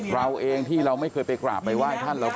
เราเองที่เราไม่เคยไปกราบไปไหว้ท่าน